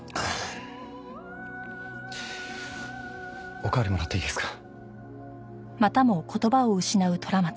おかわりもらっていいですか？